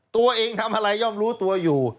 ตัวเองทำอะไรย่อมรู้ตัวอยู่